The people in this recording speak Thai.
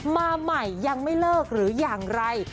มาใหม่ยังไม่เลิกหรืออย่างไร